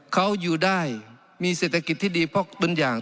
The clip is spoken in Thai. เขาอยู่ได้มีเศรษฐกิจที่ดีเพราะตัวอย่าง